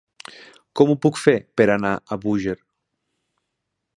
Com ho puc fer per anar a Búger?